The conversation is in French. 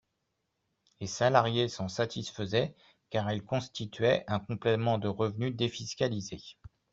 Les salariés s’en satisfaisaient, car elles constituaient un complément de revenu défiscalisé.